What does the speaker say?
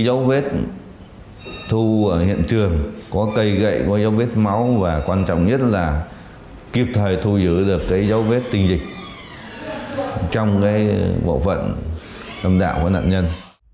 giấu vết thu ở hiện trường có cây gậy có giấu vết máu và quan trọng nhất là kiếp thời thu giữ được cái giấu vết tinh dịch trong cái bộ phận tâm đạo của nạn nhân